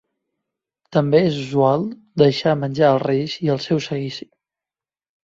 També és usual deixar menjar als reis i al seu seguici.